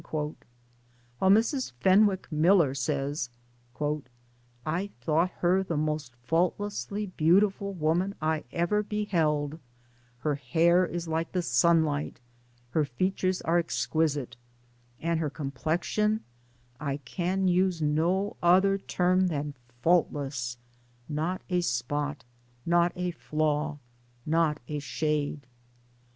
While Mrs. Fen wick Miller says : "I thought her the most faultlessly beautiful woman I ever beheld ; her hair is like the sunlight, her features are exquisite, and her complexion I can use no other term than faultless not a spot, not a flaw, not a shade."